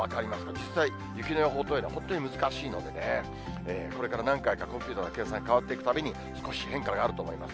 実際、雪の予報というのは本当に難しいのでね、これから何回かコンピューターの計算変わっていくたびに、少し変化があると思います。